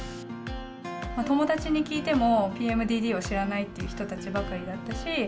友達に聞いても、ＰＭＤＤを知らないっていう人たちばかりだったし。